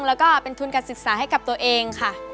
แล้วก็เป็นทุนการศึกษาให้กับตัวเองค่ะ